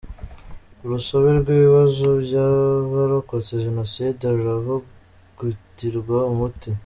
Urusobe rw’ibibazo by’abarokotse Jenoside ruravugutirwa umuti